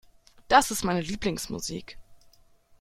Das ist meine Lieblingsmusik.